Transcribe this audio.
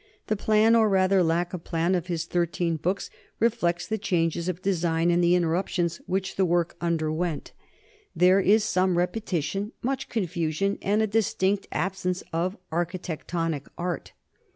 The plan, or rather lack of plan, of his thirteen books reflects the changes of design and the interruptions which the work underwent ; there NORMAN LIFE AND CULTURE 183 is some repetition, much confusion, and a distinct ab sence of architectonic art.